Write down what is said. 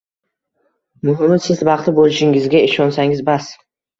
Muhimi, siz baxtli bo`lishingizga ishonsangiz, bas